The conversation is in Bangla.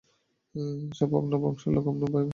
সব আপনার বংশের লোক, আপনার ভাই, বোন।